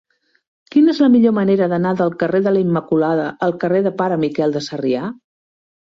Quina és la millor manera d'anar del carrer de la Immaculada al carrer del Pare Miquel de Sarrià?